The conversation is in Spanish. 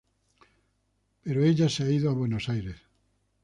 Pero ella se ha ido a Buenos Aires.